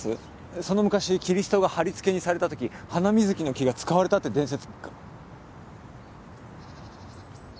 その昔キリストがはりつけにされたときハナミズキの木が使われたって伝説が。